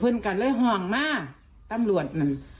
เพื่อนกันเลยห่วงมากตำรวจน่ะ